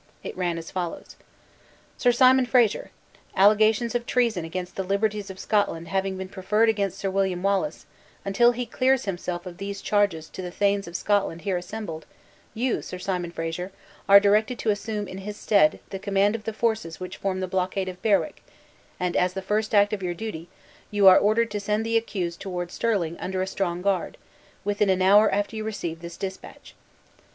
It ran as follows: "Sir Simon Fraser, Allegations of treason against the liberties of Scotland having been preferred against Sir William Wallace, until he clears himself of these charges to the thanes of Scotland here assembled, you, Sir Simon Fraser, are directed to assume, in his stead, the command of the forces which form the blockade of Berwick, and, as the first act of your duty, you are ordered to send the accused toward Stirling under a strong guard, within an hour after you receive this dispatch.